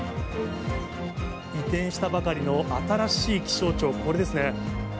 移転したばかりの新しい気象庁、これですね。